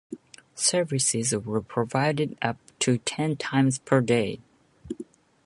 Services were provided up to ten times per day.